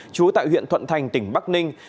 chú tại huyện thuận thành tỉnh bắc ninh